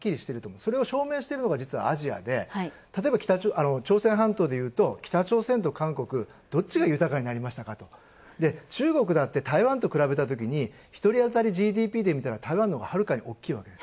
それを証明してるのが実はアジアで例えば、朝鮮半島でいうと、北朝鮮と韓国、どっちが豊かになりましたかと中国だって台湾と比べたときに１人当たりＧＤＰでみたら台湾のほうがはるかに大きいわけです。